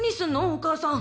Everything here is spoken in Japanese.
お母さん。